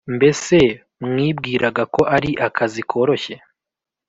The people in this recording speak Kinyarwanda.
Mbese mwibwiraga ko ari akazi koroshye